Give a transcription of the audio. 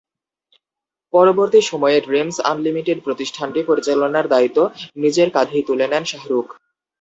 পরবর্তী সময়ে Dreams Unlimited প্রতিষ্ঠানটি পরিচালনার দায়িত্ব নিজের কাঁধেই তুলে নেন শাহরুখ।